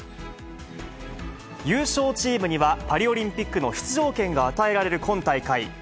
優勝チームには、パリオリンピックの出場権が与えられる今大会。